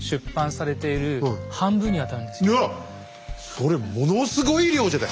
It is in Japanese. それものすごい量じゃない。